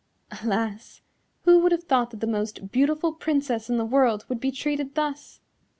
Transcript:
Alas! Who would have thought that the most beautiful Princess in the world would be treated thus?